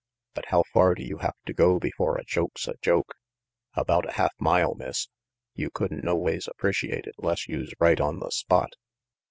But how far do you have to go before a joke's a joke?" "About a half mile, Miss. You could'n noways appreciate it 'less youse right on the spot."